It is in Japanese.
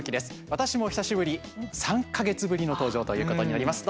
私も久しぶり、３か月ぶりの登場ということになります。